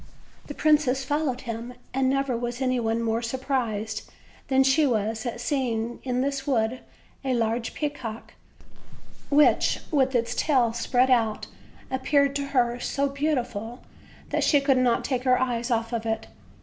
The princess followed him, and never was any one more surprised than she was at seeing in this wood a large peacock, which, with its tail spread out, appeared to her so beautiful that she could not take her eyes off it.